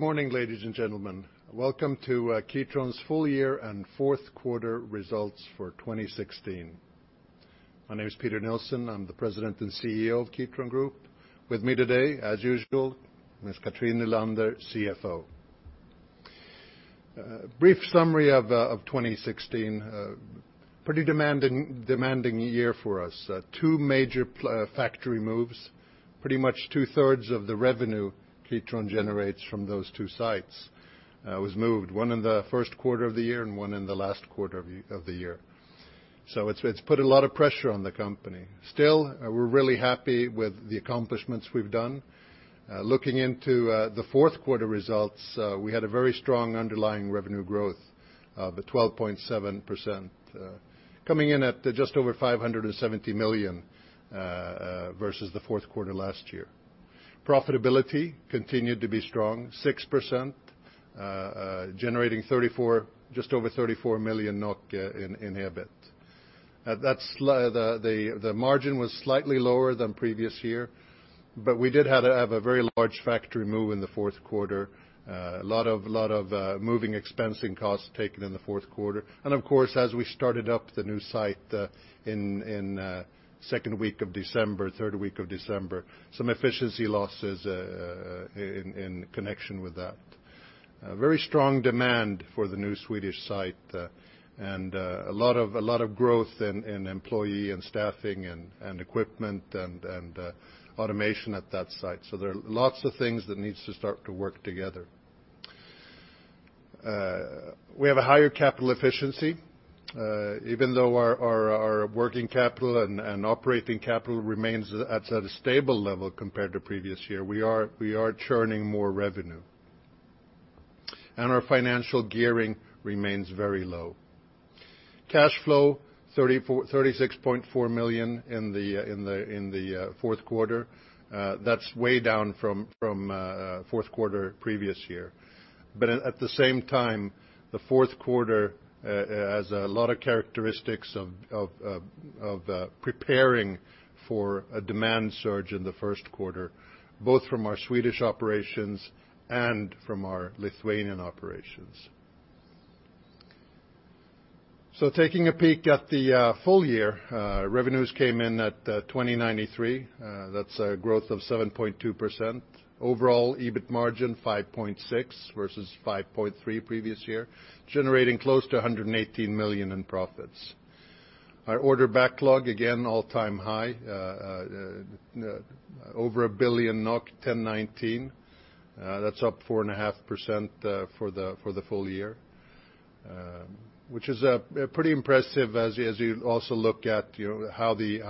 Good morning, ladies and gentlemen. Welcome to Kitron's full year and fourth quarter results for 2016. My name is Peter Nilsson. I'm the President and CEO of Kitron Group. With me today, as usual, Ms. Cathrin Nylander, CFO. Brief summary of 2016. Pretty demanding year for us. Two major factory moves. Pretty much 2/3 of the revenue Kitron generates from those two sites was moved, one in the first quarter of the year and one in the last quarter of the year. It's put a lot of pressure on the company. Still, we're really happy with the accomplishments we've done. Looking into the fourth quarter results, we had a very strong underlying revenue growth of 12.7%, coming in at just over 570 million versus the fourth quarter last year. Profitability continued to be strong, 6%, generating 34, just over 34 million NOK in EBIT. That's the margin was slightly lower than previous year, but we did have a very large factory move in the fourth quarter. A lot of moving expense and costs taken in the fourth quarter. Of course, as we started up the new site in second week of December, third week of December, some efficiency losses in connection with that. Very strong demand for the new Swedish site, and a lot of growth in employee and staffing and equipment and automation at that site. There are lots of things that needs to start to work together. We have a higher capital efficiency. Even though our working capital and operating capital remains at a stable level compared to previous year, we are churning more revenue. Our financial gearing remains very low. Cash flow 36.4 million in the fourth quarter. That's way down from fourth quarter previous year. At the same time, the fourth quarter has a lot of characteristics of preparing for a demand surge in the first quarter, both from our Swedish operations and from our Lithuanian operations. Taking a peek at the full year, revenues came in at 2,093. That's a growth of 7.2%. Overall EBIT margin 5.6% versus 5.3% previous year, generating close to 118 million in profits. Our order backlog, again, all-time high. Over 1 billion NOK, 1.019 billion. That's up 4.5% for the full year. Which is pretty impressive as you, as you also look at, you know, how the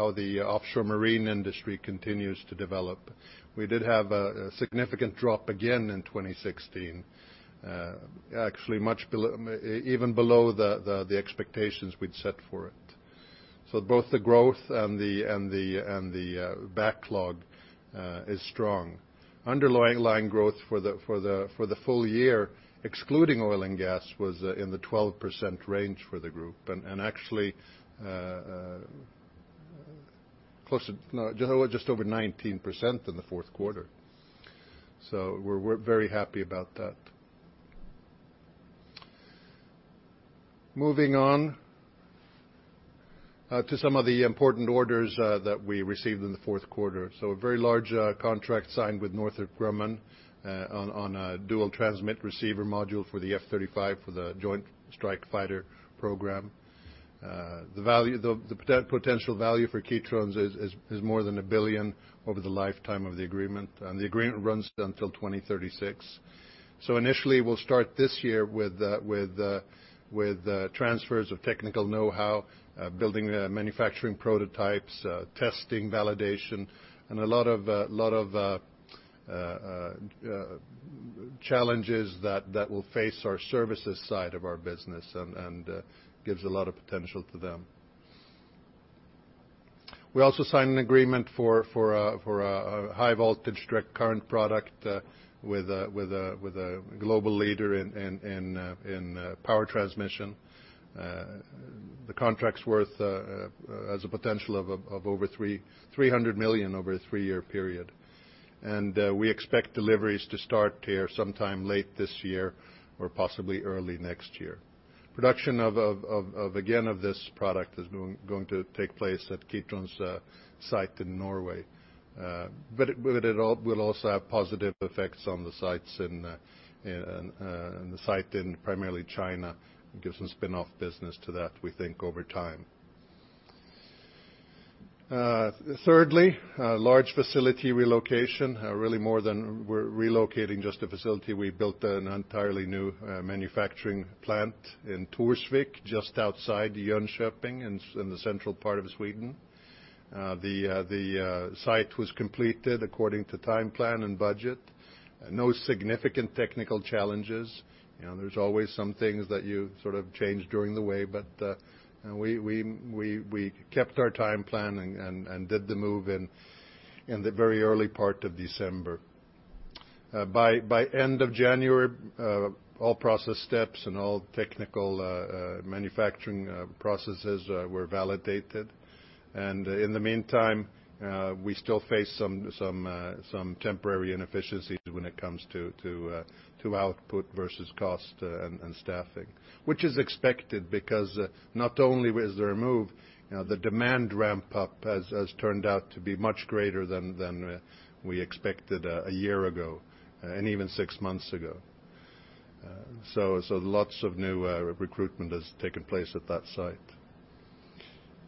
Offshore Marine industry continues to develop. We did have a significant drop again in 2016. actually much below, even below the expectations we'd set for it. both the growth and the backlog is strong. Underlying growth for the full year, excluding oil and gas, was in the 12% range for the group, and actually, just over 19% in the fourth quarter. We're very happy about that. Moving on to some of the important orders that we received in the fourth quarter. A very large contract signed with Northrop Grumman on a Dual Transmit Receiver module for the F-35 for the Joint Strike Fighter program. The value, the potential value for Kitron is more than 1 billion over the lifetime of the agreement, and the agreement runs until 2036. Initially, we'll start this year with transfers of technical know-how, building manufacturing prototypes, testing, validation, and a lot of challenges that will face our services side of our business and gives a lot of potential to them. We also signed an agreement for a high-voltage direct current product with a global leader in power transmission. The contract's worth has a potential of over 300 million over a 3-year period. We expect deliveries to start here sometime late this year or possibly early next year. Production of this product is going to take place at Kitron's site in Norway. But it will also have positive effects on the sites in the site in primarily China. It gives some spin-off business to that, we think, over time. Thirdly, a large facility relocation. Really more than we're relocating just a facility. We built an entirely new manufacturing plant in Torsvik, just outside Jönköping in the central part of Sweden. The site was completed according to time plan and budget. No significant technical challenges. You know, there's always some things that you sort of change during the way, but, we kept our time plan and did the move in the very early part of December. By end of January, all process steps and all technical manufacturing processes were validated. In the meantime, we still face some temporary inefficiencies when it comes to output versus cost and staffing, which is expected because not only was there a move, you know, the demand ramp up has turned out to be much greater than we expected a year ago and even six months ago. So lots of new recruitment has taken place at that site.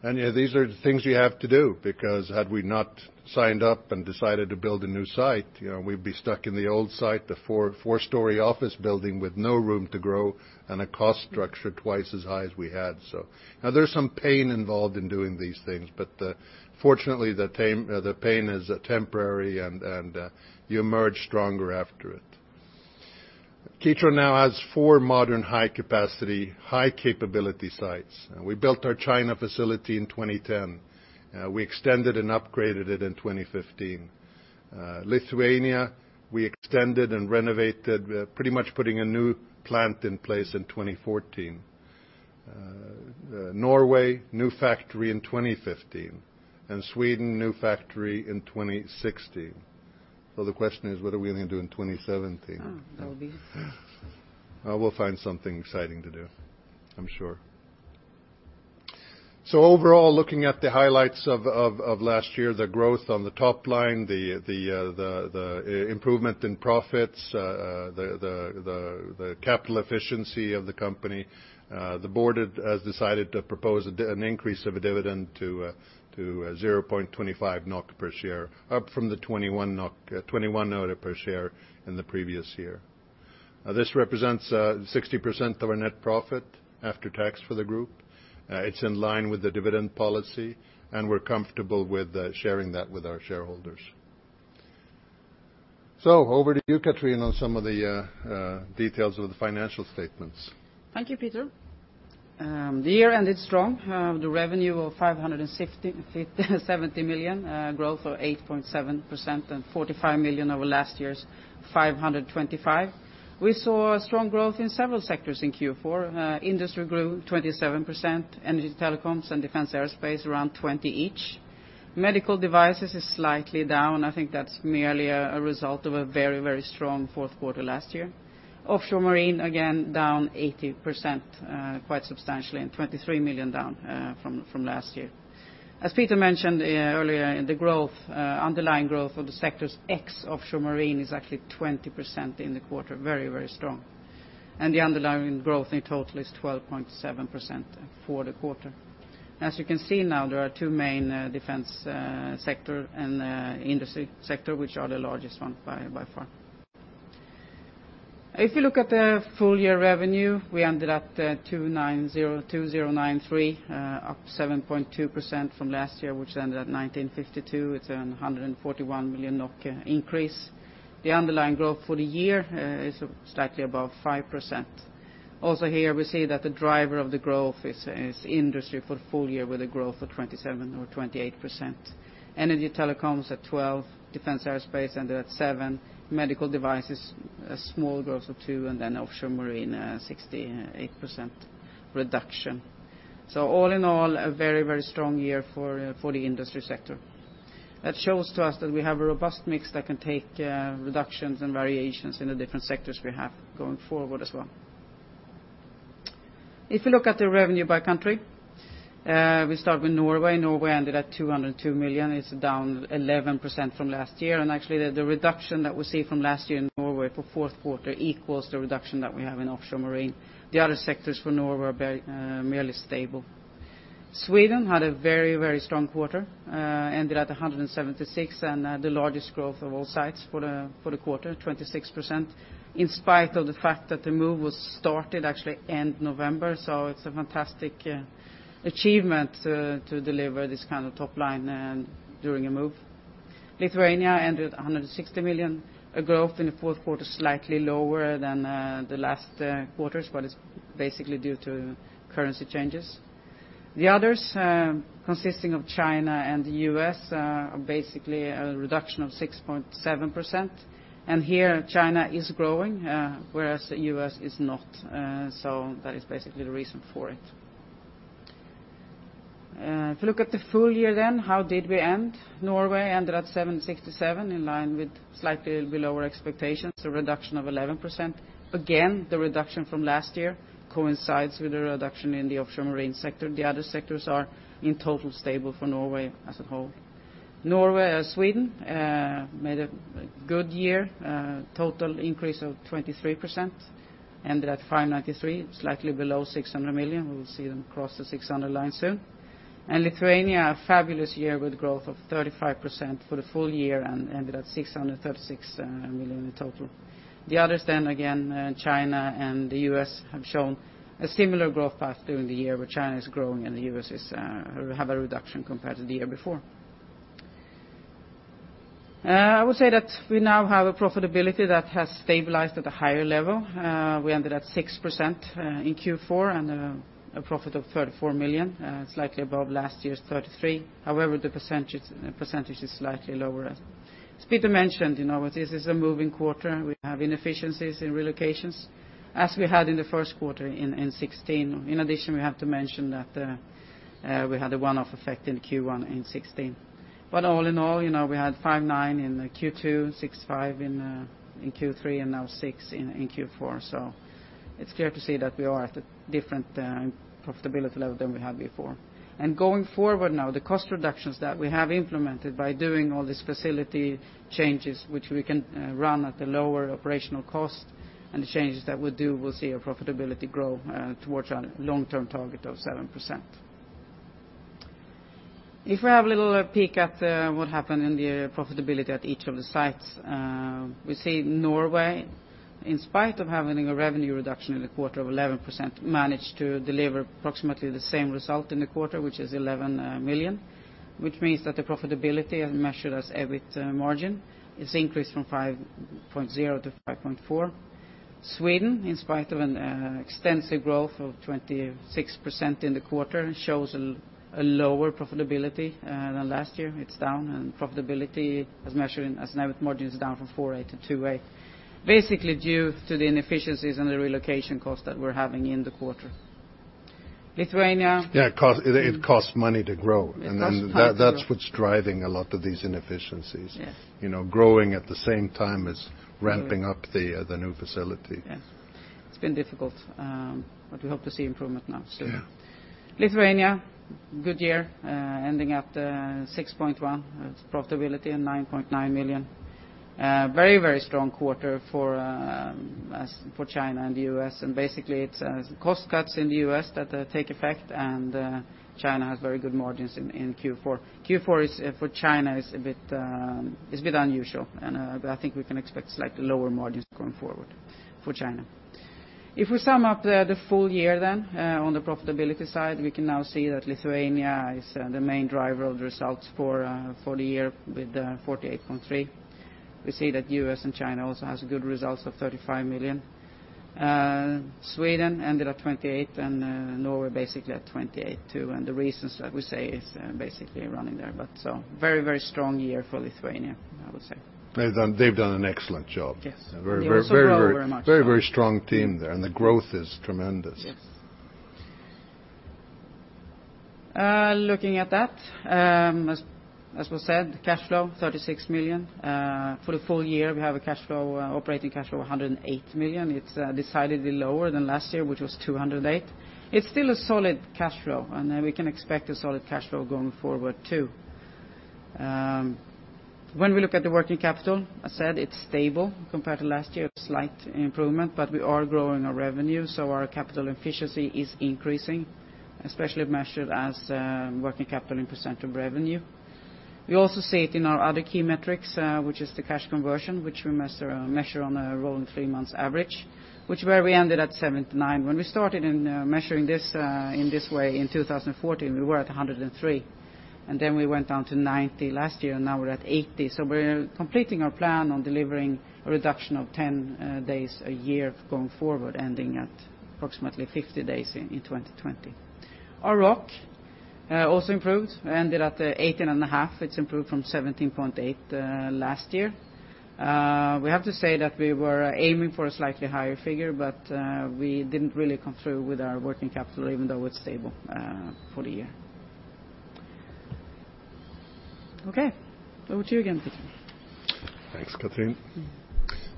Yeah, these are the things you have to do because had we not signed up and decided to build a new site, you know, we'd be stuck in the old site, the 4-story office building with no room to grow and a cost structure twice as high as we had. Now there's some pain involved in doing these things, but fortunately the pain is temporary and you emerge stronger after it. Kitron now has four modern high capacity, high capability sites. We built our China facility in 2010. We extended and upgraded it in 2015. Lithuania, we extended and renovated, pretty much putting a new plant in place in 2014. Norway, new factory in 2015, Sweden, new factory in 2016. The question is, what are we gonna do in 2017? That'll be... We'll find something exciting to do, I'm sure. Overall, looking at the highlights of last year, the growth on the top line, the improvement in profits, the capital efficiency of the company, the board has decided to propose an increase of a dividend to 0.25 NOK per share, up from the 0.21 NOK per share in the previous year. This represents 60% of our net profit after tax for the group. It's in line with the dividend policy, and we're comfortable with sharing that with our shareholders. Over to you, Cathrin, on some of the details of the financial statements. Thank you, Peter. The year ended strong. The revenue of 70 million, growth of 8.7% and 45 million over last year's 525. We saw strong growth in several sectors in Q4. Industry grew 27%, energy, telecoms, and defense aerospace around 20% each. Medical devices is slightly down. I think that's merely a result of a very strong fourth quarter last year. Offshore/Marine, again, down 18%, quite substantially, and 23 million down from last year. As Peter mentioned earlier, in the growth, underlying growth of the sectors ex Offshore/Marine is actually 20% in the quarter, very strong. The underlying growth in total is 12.7% for the quarter. As you can see now, there are two main, defense sector and industry sector, which are the largest one by far. If you look at the full year revenue, we ended up at 2,093, up 7.2% from last year, which ended at 1,952. It's an 141 million NOK increase. The underlying growth for the year is slightly above 5%. Also here, we see that the driver of the growth is industry for the full year with a growth of 27% or 28%. Energy/Telecoms at 12%, Defence/Aerospace ended at 7%, Medical devices a small growth of 2%, and then Offshore/Marine 68% reduction. All in all, a very, very strong year for the industry sector. That shows to us that we have a robust mix that can take reductions and variations in the different sectors we have going forward as well. If you look at the revenue by country, we start with Norway. Norway ended at 202 million. It's down 11% from last year, actually the reduction that we see from last year in Norway for fourth quarter equals the reduction that we have in Offshore/Marine. The other sectors for Norway are very, merely stable. Sweden had a very strong quarter, ended at 176 million, the largest growth of all sites for the quarter, 26%, in spite of the fact that the move was started actually end November. It's a fantastic achievement to deliver this kind of top line during a move. Lithuania ended 160 million, a growth in the fourth quarter slightly lower than the last quarters, it's basically due to currency changes. The others, consisting of China and the U.S., are basically a reduction of 6.7%. Here, China is growing, whereas the U.S. Is not. That is basically the reason for it. If you look at the full year, how did we end? Norway ended at 767 million, in line with slightly below our expectations, a reduction of 11%. Again, the reduction from last year coincides with the reduction in the Offshore/Marine sector. The other sectors are, in total, stable for Norway as a whole. Norway, Sweden made a good year, total increase of 23%, ended at 593 million, slightly below 600 million. We'll see them cross the 600 million line soon. Lithuania, a fabulous year with growth of 35% for the full year and ended at 636 million in total. The others, again, China and the U.S. have shown a similar growth path during the year, where China is growing and the U.S. is, have a reduction compared to the year before. I would say that we now have a profitability that has stabilized at a higher level. We ended at 6% in Q4 and a profit of 34 million. Slightly above last year's 33. The percentage is slightly lower. As Peter mentioned, you know, this is a moving quarter. We have inefficiencies in relocations as we had in the first quarter in 2016. We have to mention that we had a one-off effect in Q1 in 2016. All in all, you know, we had 5.9% in Q2, 6.5% in Q3, and now 6% in Q4. It's clear to see that we are at a different profitability level than we had before. Going forward now, the cost reductions that we have implemented by doing all these facility changes, which we can run at a lower operational cost and the changes that we'll do, we'll see our profitability grow towards our long-term target of 7%. If we have a little peek at what happened in the profitability at each of the sites, we see Norway, in spite of having a revenue reduction in the quarter of 11%, managed to deliver approximately the same result in the quarter, which is 11 million, which means that the profitability as measured as EBIT margin is increased from 5.0%-5.4%. Sweden, in spite of an extensive growth of 26% in the quarter, shows a lower profitability than last year. It's down. Profitability as measured in, as an EBIT margin, is down from 4.8%-2.8%, basically due to the inefficiencies and the relocation costs that we're having in the quarter. Yeah, it costs money to grow. It costs money to grow. That's what's driving a lot of these inefficiencies. Yes. You know, growing at the same time as ramping up the new facility. Yes. It's been difficult. We hope to see improvement now soon. Yeah. Lithuania, good year, ending at 6.1. Its profitability, 9.9 million. Very strong quarter for China and the U.S. Basically it's cost cuts in the U.S. that take effect and China has very good margins in Q4. Q4 is for China is a bit unusual. I think we can expect slightly lower margins going forward for China. If we sum up the full year. On the profitability side, we can now see that Lithuania is the main driver of the results for the year with 48.3 million. We see that U.S. and China also has good results of 35 million. Sweden ended at 28 million. Norway basically at 28 million too. The reasons that we say is basically running there. Very, very strong year for Lithuania, I would say. They've done an excellent job. Yes. A very. They also grow very much. Very, very strong team there, the growth is tremendous. Yes. Looking at that, as was said, cash flow 36 million. For the full year we have a cash flow, operating cash flow of 108 million. It's decidedly lower than last year, which was 208 million. It's still a solid cash flow, and we can expect a solid cash flow going forward too. When we look at the working capital, I said it's stable compared to last year, a slight improvement, but we are growing our revenue, so our capital efficiency is increasing, especially measured as working capital in percent of revenue. We also see it in our other key metrics, which is the cash conversion, which we measure on a rolling three months average, which where we ended at 79%. When we started measuring this in this way in 2014, we were at 103 million, and then we went down to 90 million last year, and now we're at 80 million. We're completing our plan on delivering a reduction of 10 days a year going forward, ending at approximately 50 days in 2020. Our ROOC also improved, ended at 18.5%. It's improved from 17.8% last year. We have to say that we were aiming for a slightly higher figure, but we didn't really come through with our working capital even though it's stable for the year. Okay, over to you again, Peter. Thanks, Cathrin.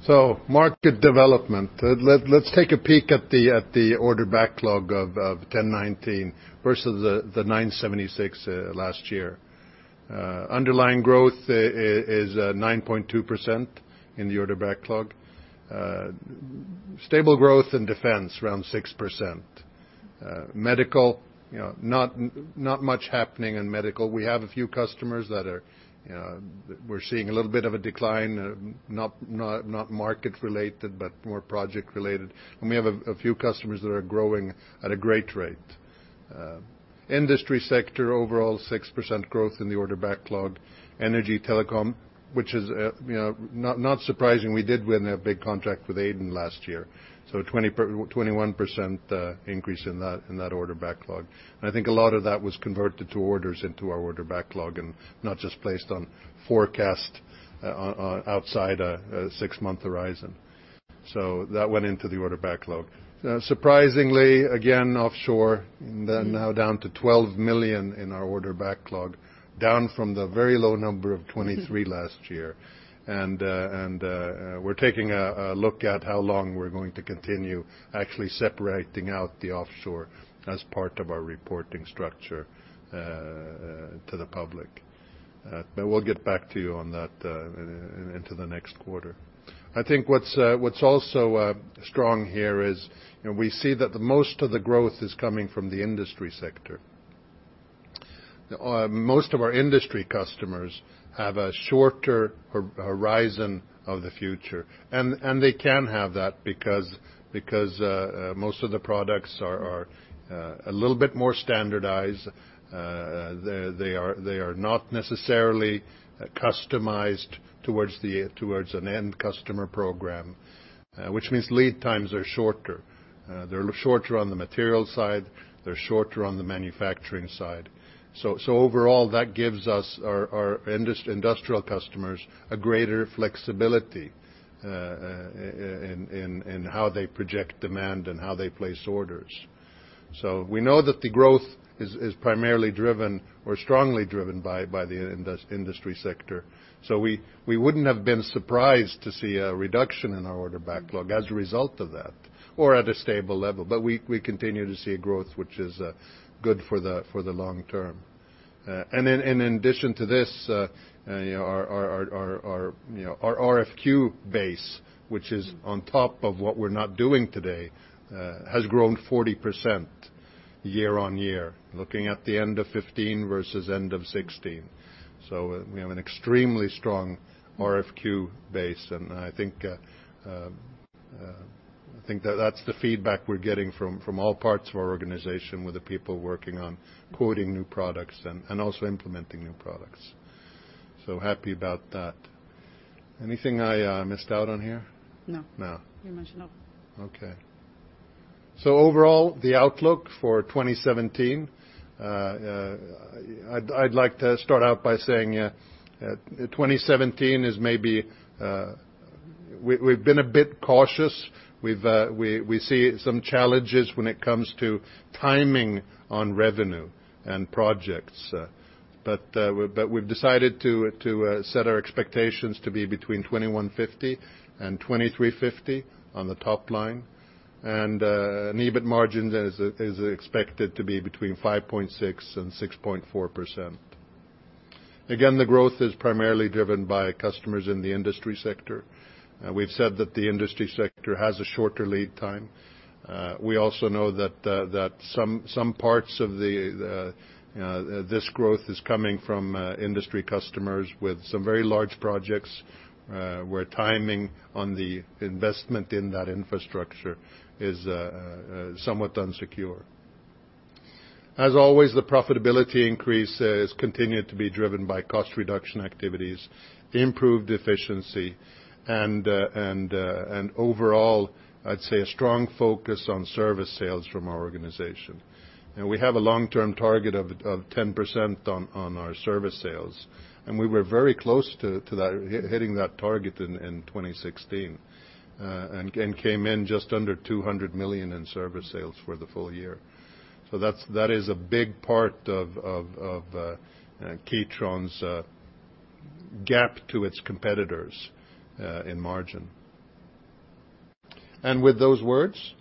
Mm-hmm. Market development. Let's take a peek at the order backlog of 1,019 versus 976 last year. Underlying growth is 9.2% in the order backlog. Stable growth in defense, around 6%. Medical, you know, not much happening in medical. We have a few customers that are, we're seeing a little bit of a decline, not market related, but more project related. We have a few customers that are growing at a great rate. Industry sector overall 6% growth in the order backlog. Energy/Telecom, which is, you know, not surprising. We did win a big contract with Aidon last year, so 21% increase in that order backlog. I think a lot of that was converted to orders into our order backlog and not just placed on forecast outside a six-month horizon. That went into the order backlog. Surprisingly, again, Offshore, then now down to 12 million in our order backlog, down from the very low number of 23 million last year. We're taking a look at how long we're going to continue actually separating out the Offshore as part of our reporting structure to the public. We'll get back to you on that into the next quarter. I think what's also strong here is, you know, we see that the most of the growth is coming from the industry sector. Most of our industry customers have a shorter horizon of the future, and they can have that because most of the products are a little bit more standardized. They are not necessarily customized towards an end customer program, which means lead times are shorter. They're shorter on the material side. They're shorter on the manufacturing side. Overall, that gives us our industrial customers a greater flexibility in how they project demand and how they place orders. We know that the growth is primarily driven or strongly driven by the industry sector. We wouldn't have been surprised to see a reduction in our order backlog as a result of that or at a stable level. We continue to see growth which is good for the long term. And in addition to this, you know, our RFQ base, which is on top of what we're not doing today, has grown 40% year-on-year, looking at the end of 2015 versus end of 2016. We have an extremely strong RFQ base, and I think that that's the feedback we're getting from all parts of our organization, with the people working on quoting new products and also implementing new products. Happy about that. Anything I missed out on here? No. No. You mentioned all. Okay. The overall outlook for 2017, I'd like to start out by saying, 2017 is maybe, we've been a bit cautious. We've, we see some challenges when it comes to timing on revenue and projects. But we've decided to set our expectations to be between 2,150 and 2,350 on the top line, and net margins is expected to be between 5.6% and 6.4%. Again, the growth is primarily driven by customers in the industry sector. We've said that the industry sector has a shorter lead time. this growth is coming from industry customers with some very large projects, where timing on the investment in that infrastructure is somewhat unsecure. As always, the profitability increase has continued to be driven by cost reduction activities, improved efficiency and overall, I'd say a strong focus on service sales from our organization. We have a long-term target of 10% on our service sales, and we were very close to hitting that target in 2016, and came in just under 200 million in service sales for the full year. That is a big part of Kitron's gap to its competitors in margin. With those words,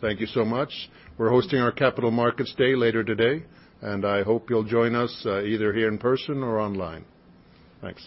thank you so much. We're hosting our Capital Markets Day later today, and I hope you'll join us, either here in person or online. Thanks.